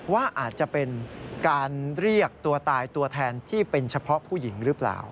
ว่าอาจจะเป็นการเรียกตัวตายตัวแทนที่เป็นเฉพาะผู้หญิงหรือเปล่า